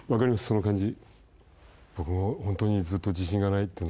その感じ